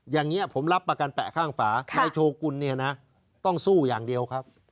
อย่างนี้ผมรับประกันแปะข้างฝานายโชกุลเนี่ยนะต้องสู้อย่างเดียวครับ